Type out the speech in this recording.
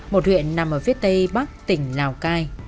một huyện nằm ở phía tây bắc tỉnh lào cai